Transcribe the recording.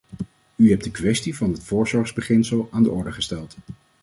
U hebt de kwestie van het voorzorgsbeginsel aan de orde gesteld.